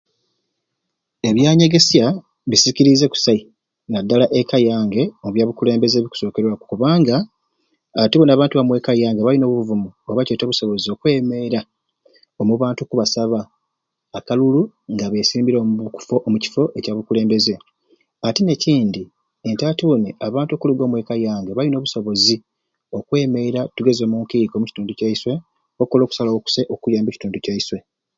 Ebyanyegesya bisikiriize kusai naddala eka yange omubyabukulembeze obukusookerwaku kubanga ati buni abantu omweka yange balina obuvumu oba kyete obusobozi okwemeera omu bantu okubasaba akalulu nga besimbire omubu e omu kifo Kya bukulembeze ate n'ekindi nti ati buni abantu okuliga omweka yange balina obusobozi okwemeera tugeze omunkiiko omukitundu kyaiswe okukola okusalawo okusai okukuura omu kitundu kyaiswe